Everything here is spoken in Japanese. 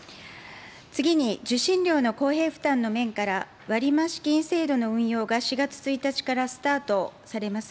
次に、受信料の公平負担の面から、割増金制度の運用が４月１日からスタートされます。